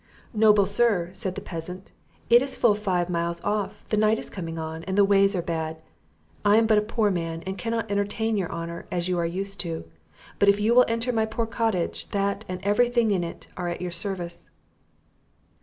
"Noble sir," said the peasant, "it is full five miles off, the night is coming on, and the ways are bad; I am but a poor man, and cannot entertain your honour as you are used to; but if you will enter my poor cottage, that, and every thing in it, are at your service."